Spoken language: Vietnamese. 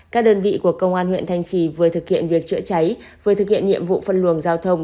các đơn vị của công an huyện thanh trì vừa thực hiện việc chữa cháy vừa thực hiện nhiệm vụ phân luồng giao thông